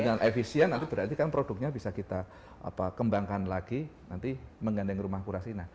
dengan efisien nanti berarti kan produknya bisa kita kembangkan lagi nanti menggandeng rumah kurasi